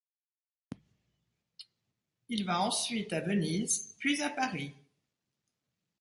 Il va ensuite à Venise puis à Paris.